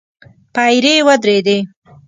پيرې ودرېدې.